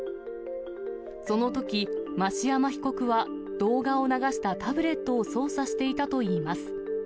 そのとき、増山被告は動画を流したタブレットを操作していたといいます。